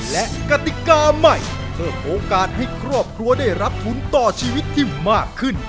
และกติกาใหม่เพิ่มโอกาสให้ครอบครัวได้รับทุนต่อชีวิตที่มากขึ้น